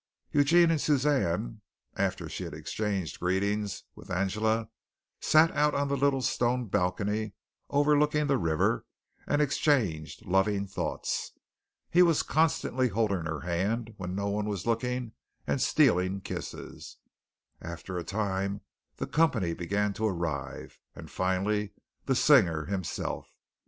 Eugene and Suzanne, after she had exchanged greetings with Angela, sat out on the little stone balcony overlooking the river and exchanged loving thoughts. He was constantly holding her hand when no one was looking and stealing kisses. After a time the company began to arrive, and finally the singer himself.